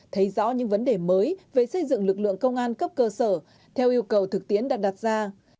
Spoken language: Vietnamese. thấy rõ những vấn đề mới về xây dựng lực lượng công an cấp cơ sở theo yêu cầu thực tiễn đã đặt ra